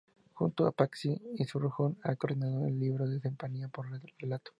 Junto a Patxi Irurzun ha coordinado el libro "Simpatía por el relato.